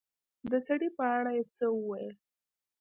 د سړي په اړه يې څه وويل